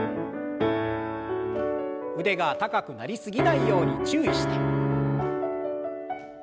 腕が高くなり過ぎないように注意して。